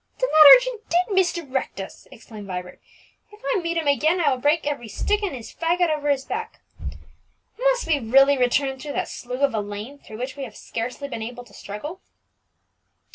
"Then that urchin did misdirect us!" exclaimed Vibert. "If I meet him again, I will break every stick in his faggot over his back! Must we really return through that slough of a lane, through which we have scarcely been able to struggle?"